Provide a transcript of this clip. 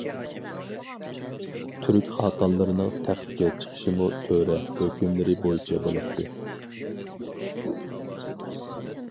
تۈرك خاقانلىرىنىڭ تەختكە چىقىشىمۇ تۆرە ھۆكۈملىرى بويىچە بولاتتى.